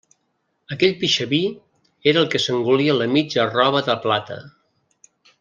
Aquell pixaví era el que s'engolia la mitja arrova de plata.